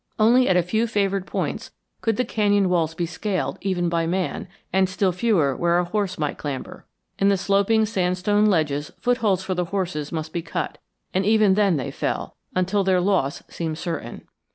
Only at a few favored points could the canyon walls be scaled even by man, and still fewer where a horse might clamber. In the sloping sandstone ledges footholds for the horses must be cut, and even then they fell, until their loss seemed certain.